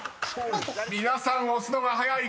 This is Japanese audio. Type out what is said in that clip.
［皆さん押すのが早い！